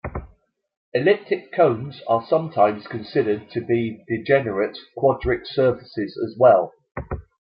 Elliptic cones are sometimes considered to be degenerate quadric surfaces as well.